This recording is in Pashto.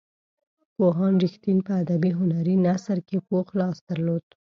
پوهاند رښتین په ادبي هنري نثر کې پوخ لاس درلود.